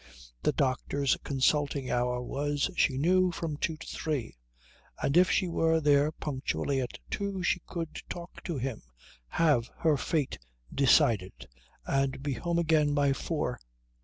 The doctor's consulting hour was, she knew, from two to three, and if she were there punctually at two she could talk to him, have her fate decided, and be home again by four.